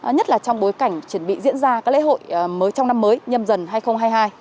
nhất là trong bối cảnh chuẩn bị diễn ra các lễ hội mới trong năm mới nhâm dần hai nghìn hai mươi hai